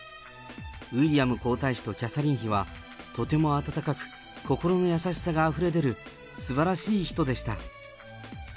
ウィリアム皇太子とキャサリン妃は、とても温かく、心の優しさがあふれ出る、すばらしい人でした。